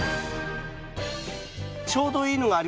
ちょうどいいのがありますね。